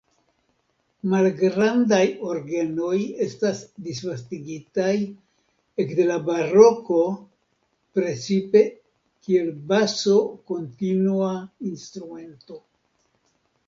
Malgrandaj orgenoj estas disvastigitaj ekde la baroko precipe kiel baso-kontinua-instrumento.